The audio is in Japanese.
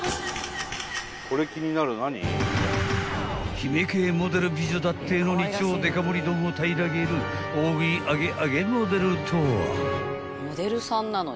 ［姫系モデル美女だってぇのに超デカ盛り丼を平らげる大食い揚げ揚げモデルとは？］